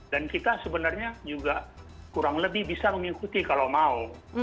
dan kita sebenarnya juga kurang lebih bisa mengikuti kalau mau